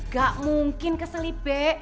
gak mungkin keselip be